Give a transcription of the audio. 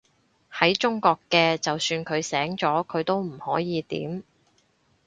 喺中國嘅，就算佢醒咗，佢都唔可以點